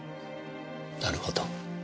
なるほど。